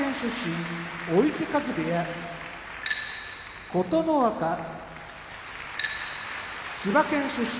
追手風部屋琴ノ若千葉県出身